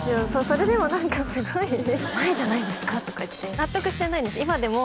それでも何かすごい「前じゃないですか？」とか言って納得してないんです